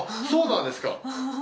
そうなんですか！